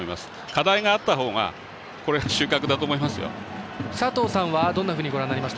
課題があった方が収穫だと思いますよ。